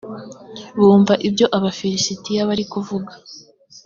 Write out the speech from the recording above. bumva ibyo abafilisitiya bari kuvuga